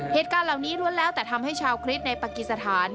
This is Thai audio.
เหตุการณ์เหล่านี้ล้วนแล้วแต่ทำให้ชาวคริสต์ในปากีสถาน